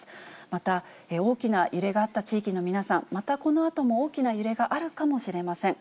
また、大きな揺れがあった地域の皆さん、またこのあとも大きな揺れがあるかもしれません。